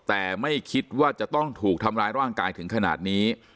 แต่ไม่คิดว่าจะต้องถูกทำร้ายร่างกายถึงขนาดนี้